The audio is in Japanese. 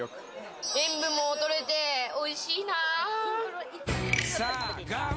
塩分も取れておいしいな！